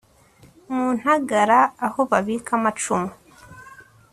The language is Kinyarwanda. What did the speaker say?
mu ntagara: aho babika amacumu